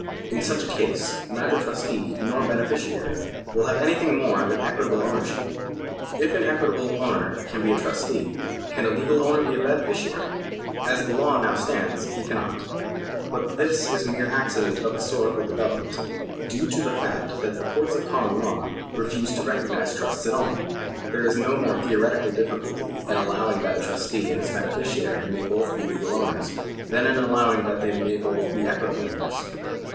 In such a case neither trustee nor beneficiary will have anything more than equitable ownership. If an equitable owner can be a trustee, can a legal owner be a beneficiary ? As the law now stands, he cannot. But this is a mere accident of historical development, due to the fact that the courts of common law refused to recognise trusts at all. There is no more theoretical difficulty in allowing that a trustee and his beneficiary may both be legal owners, than in allowing that they may both be equitable owners.